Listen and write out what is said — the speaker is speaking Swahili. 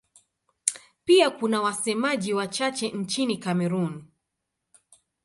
Pia kuna wasemaji wachache nchini Kamerun.